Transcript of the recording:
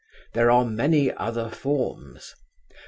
There are many other forms.